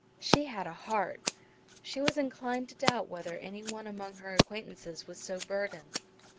She had a heart! She was inclined to doubt whether any one among her acquaintances was so burdened.